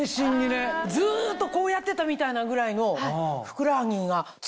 ずっとこうやってたみたいなぐらいの。